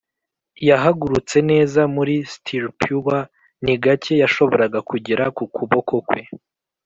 yahagurutse neza muri stirupure; ni gake yashoboraga kugera ku kuboko kwe,